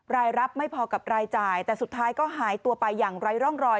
รายรับไม่พอกับรายจ่ายแต่สุดท้ายก็หายตัวไปอย่างไร้ร่องรอย